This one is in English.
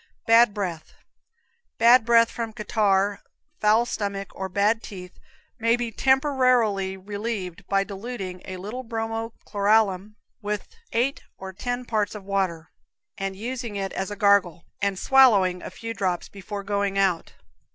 Bad Breath. Bad breath from catarrh, foul stomach or bad teeth may be temporarily relieved by diluting a little bromo chloralum with eight or ten parts of water, and using it as a gargle, and swallowing a few drops before going out.